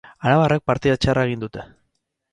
Arabarrek partida txarra egin dute.